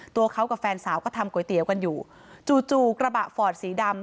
ตัวเขากับแฟนสาวก็ทำก๋วยเตี๋ยวกันอยู่จู่จู่กระบะฟอร์ดสีดำ